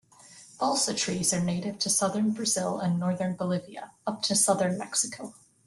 Balsa trees are native to southern Brazil and northern Bolivia, up to southern Mexico.